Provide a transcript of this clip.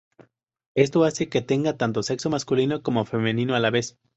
Esto hace que tenga tanto sexo masculino como femenino a la vez.